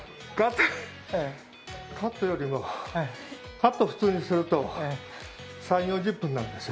カットよりも、カット普通にすると３０４０分なんです。